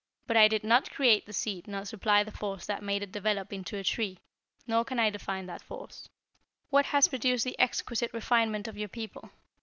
But I did not create the seed nor supply the force that made it develop into a tree, nor can I define that force." "What has produced the exquisite refinement of your people?"